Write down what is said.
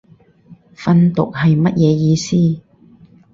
訓讀係乜嘢意思